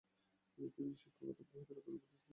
তিনি শিক্ষকতা অব্যাহত রাখার উপদেশ দেন।